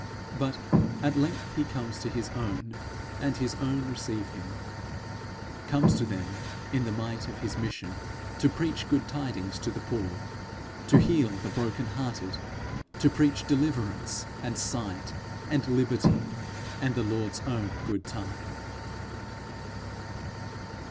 But at length he comes to his own, and his own receive him; comes to them in the might of his mission to preach good tidings to the poor, to heal the broken hearted, to preach deliverance, and sight, and liberty, and the Lord's own good time.